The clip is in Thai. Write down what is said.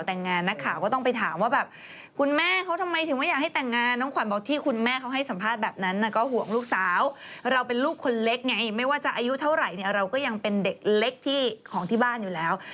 ทั้งที่ตอนนี้อีกนิดหนึ่งอายุเขาก็จะ๓๐แล้ว